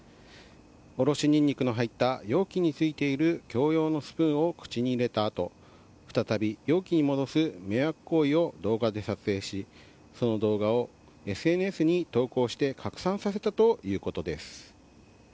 おろしニンニクの入った容器についている共用のスプーンを口に入れたあと、再び容器に戻す迷惑行為を動画で撮影しその動画をＳＮＳに投稿して拡散させたということです。